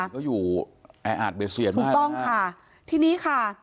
ก็อยู่แออาจเบเซียนมากถูกต้องค่ะทีนี้ค่ะ